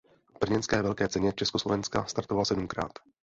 V brněnské Velké ceně Československa startoval sedmkrát.